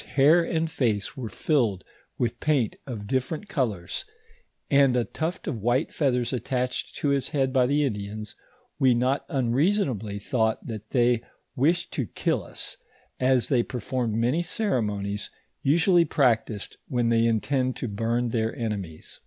125 ,i hair and face were filled with paint of different colors, and a tuft of white feathers attached to his head by the Indians, we, not unreasonably thought that they wished to kill us, as they performed many ceremonies, usually practised, when they intend to bum their enemies.